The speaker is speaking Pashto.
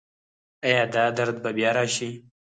ایا دا درد به بیا راشي؟